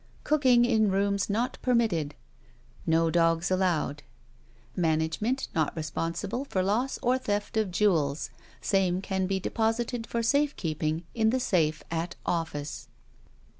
Cooking in rooms not permitted. No dogs allowed. Management not responsible for loss or theft of jewels. Same can be deposited for safe keeping in the safe at office.